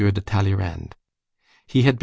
de Talleyrand. He had been M.